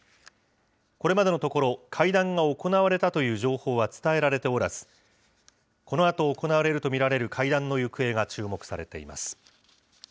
これまでのところ、会談が行われたという情報は伝えられておらず、このあと行われると見られる会談の行方が注目されています。